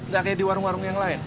gak kayak di warung warung yang lain